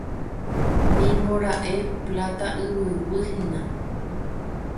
Nimbora'e Pláta Yvyguy hína.